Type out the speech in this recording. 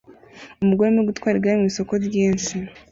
Umugore arimo gutwara igare mu isoko ryinshi